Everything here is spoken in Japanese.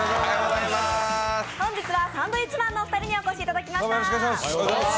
本日はサンドウィッチマンのお二人にお越しいただきました。